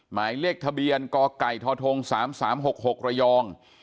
หมายเลขทะเบียนกไก่ทท๓๓๖๖ระยอง